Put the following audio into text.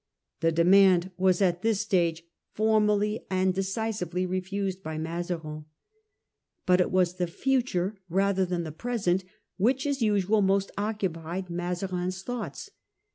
The demand was at this stage formally and decisively refused by Mazarin. But it was the future rather than the present which as usual most occupied Mazarin's thoughts.